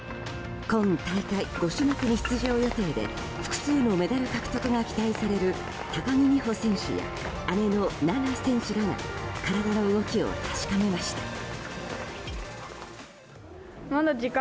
今大会５種目に出場予定で複数のメダル獲得が期待される高木美帆選手や姉の菜那選手らが体の動きを確かめました。